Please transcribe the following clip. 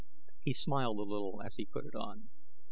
He smiled a little as he put it on.